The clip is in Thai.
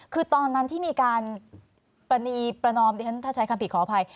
คือตอนนั้นที่มีการประณีประนอมดิฉันถ้าใช้คำผิดขออภัย